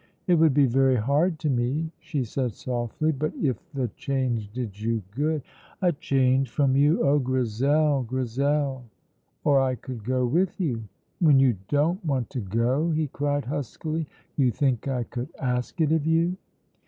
"It would be very hard to me," she said softly; "but if the change did you good " "A change from you! Oh, Grizel, Grizel!" "Or I could go with you?" "When you don't want to go!" he cried huskily. "You think I could ask it of you!"